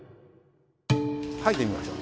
入ってみましょう。